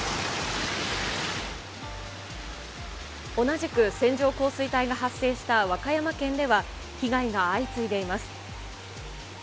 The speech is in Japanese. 同じく線状降水帯が発生した和歌山県では、被害が相次いでいます。